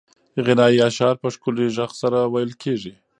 غنایي اشعار په ښکلي غږ سره ویل کېږي.